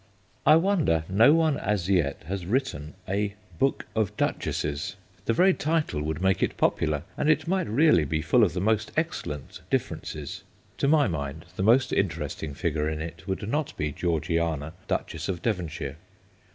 I wonder no one as yet has written a 'Book of Duchesses.' The very title would make it popular, and it might really be full of the most excellent differences. To my mind, the most interesting figure in it would not be Georgiana, Duchess of Devon shire.